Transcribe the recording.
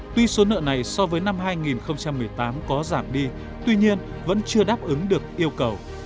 tuy số nợ này so với năm hai nghìn một mươi tám có giảm đi tuy nhiên vẫn chưa đáp ứng được yêu cầu